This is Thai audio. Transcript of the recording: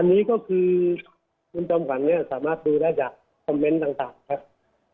อันนี้ก็คือคุณจอมขวัญเนี่ยสามารถดูได้จากคอมเมนต์ต่างครับ